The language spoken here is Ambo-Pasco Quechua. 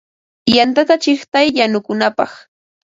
Yantata chiqtay yanukunapaq.